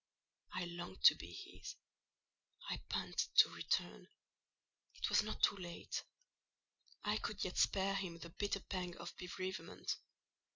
I longed to be his; I panted to return: it was not too late; I could yet spare him the bitter pang of bereavement.